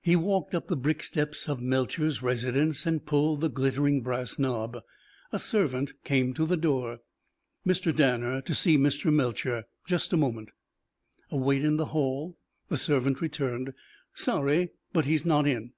He walked up the brick steps of Melcher's residence and pulled the glittering brass knob. A servant came to the door. "Mr. Danner to see Mr. Melcher. Just a moment." A wait in the hall. The servant returned. "Sorry, but he's not in."